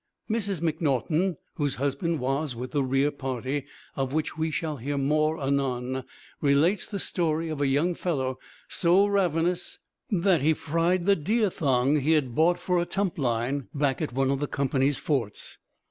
Mrs MacNaughton, whose husband was with the rear party, of which we shall hear more anon, relates the story of a young fellow so ravenous that he fried the deer thong he had bought for a tump line back at one of the company's forts.